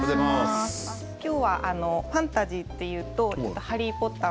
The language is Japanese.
今日はファンタジーというと「ハリー・ポッター」